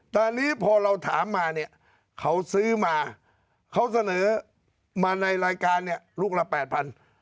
ตอนนี้พอเราถามมาเนี่ยเขาซื้อมาเขาเสนอมาในรายการเนี่ยลูกละแปดพัน